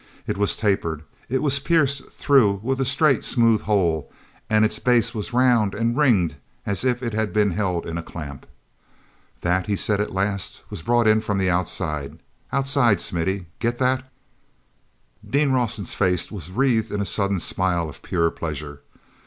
It was tapered; it was pierced through with a straight, smooth hole, and its base was round and ringed as if it had been held in a clamp. "That," he said at last, "was brought in from outside. Outside, Smithy—get that." ean Rawson's face was wreathed in a sudden smile of pure pleasure.